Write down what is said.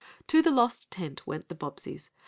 To the lost tent went the Bobbseys.